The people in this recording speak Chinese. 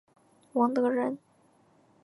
王德人。